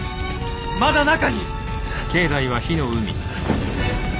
まだ中に！